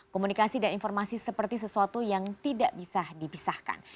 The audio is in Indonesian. komunikasi dan informasi seperti sesuatu yang tidak bisa dipisahkan